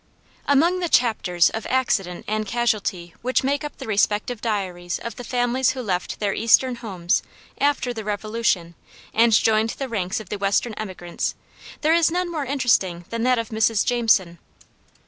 Among the chapters of accident and casualty which make up the respective diaries of the families who left their eastern homes after the Revolution and joined the ranks of the Western immigrants there is none more interesting than that of Mrs. Jameson.